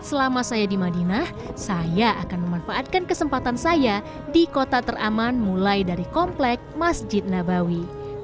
selama saya di madinah saya akan memanfaatkan kesempatan saya di kota teraman mulai dari komplek masjid nabawi